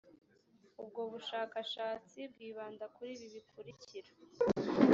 ubwo bushakashatsi bwibanda kuri ibi bikurikira